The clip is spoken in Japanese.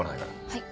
はい。